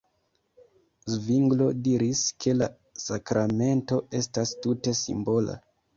Zvinglo diris, ke la sakramento estas tute simbola.